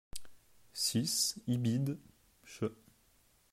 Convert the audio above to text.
six Ibid., ch.